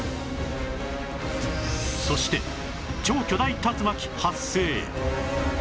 そして超巨大竜巻発生